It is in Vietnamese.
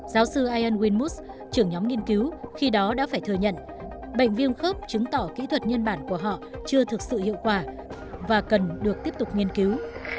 giáo sư ion winmus trưởng nhóm nghiên cứu khi đó đã phải thừa nhận bệnh viêm khớp chứng tỏ kỹ thuật nhân bản của họ chưa thực sự hiệu quả và cần được tiếp tục nghiên cứu